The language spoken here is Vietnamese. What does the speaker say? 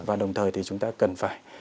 và đồng thời thì chúng ta cần phải